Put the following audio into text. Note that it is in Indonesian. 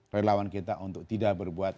relawan kita untuk tidak berbuat